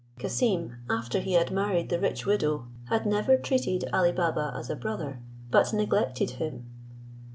Cassim, after he had married the rich widow, had never treated Ali Baba as a brother, but neglected him.